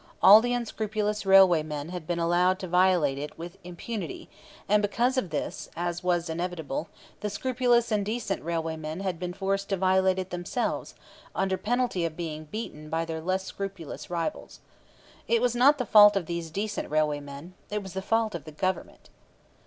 All the unscrupulous railway men had been allowed to violate it with impunity; and because of this, as was inevitable, the scrupulous and decent railway men had been forced to violate it themselves, under penalty of being beaten by their less scrupulous rivals. It was not the fault of these decent railway men. It was the fault of the Government.